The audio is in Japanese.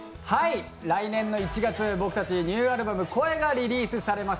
来年の１月、僕たちのニューアルバム、「声」がリリースされます。